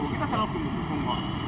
kita selalu berhubung hubung